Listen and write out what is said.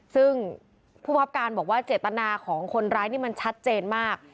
ซึ่งผู้บังคับการบอกว่าเจตนาของคนร้ายนี่มันชัดเจนมาก